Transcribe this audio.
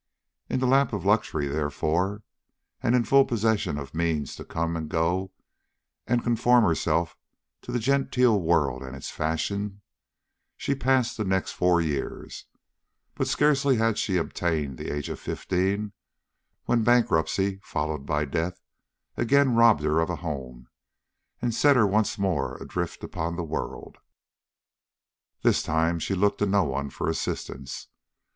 In the lap of luxury, therefore, and in full possession of means to come and go and conform herself to the genteel world and its fashions, she passed the next four years; but scarcely had she attained the age of fifteen, when bankruptcy, followed by death, again robbed her of her home and set her once more adrift upon the world. This time she looked to no one for assistance.